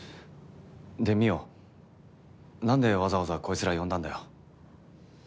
で望緒なんでわざわざこいつら呼んだんだよ？